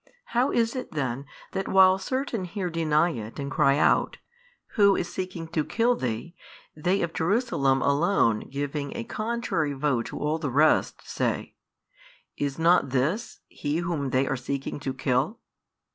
How is it, then that while certain here deny it and cry out, Who is seeking to kill Thee, they of Jerusalem alone giving a contrary vote to all the rest say, Is not this He Whom they are seeking to kill?